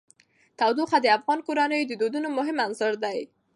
تودوخه د افغان کورنیو د دودونو مهم عنصر دی.